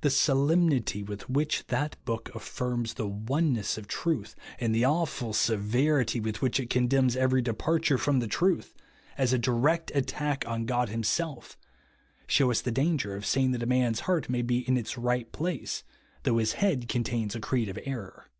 The solemnity with which that book affirms the one ness of truth, and the awful seyerity with which it condemns every departure from the truth, as a direct attack on God himself, shew us the danger of saying that a man's heart may be in its right place though his head contains a creed of error.